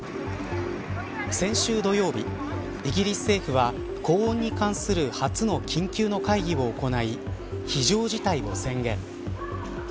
先週土曜日イギリス政府は高温に関する初の緊急の会議を行い非常事態を宣言。